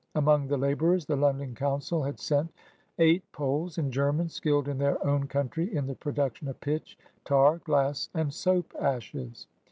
Among the laborers, the London Council had sent eight Poles and Germans, skilled in their own country in the production of pitch, tar, glass, and soap ashes.